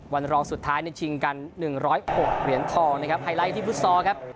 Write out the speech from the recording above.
วันรองสุดท้ายชิงกัน๑๐๖เหรียญทองไฮไลท์ที่ฟุตซอว์ครับ